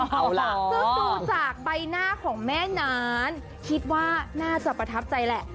ก็ดูจากใบหน้าของแม่นั้นคิดว่าน่าจะประทับใจแหละ